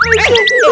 itu itu itu